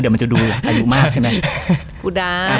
เดี๋ยวมันจะดูอายุมากใช่มั้ย